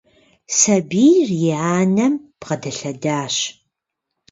Сабийр и анэм бгъэдэлъэдащ.